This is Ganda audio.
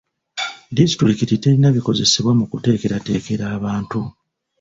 Disitulikiti terina bikozesebwa mu kuteekerateekera abantu.